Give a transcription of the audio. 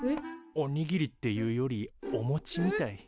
おにぎりっていうよりおもちみたい。